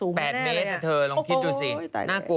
ไม่แน่อ่ะโอโก้โก้โอ้ยตายจักร